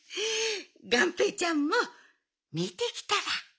がんぺーちゃんもみてきたら？